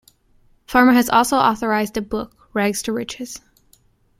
Farmer has also authored a book, Rags to Riches.